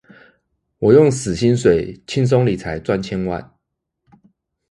我用死薪水輕鬆理財賺千萬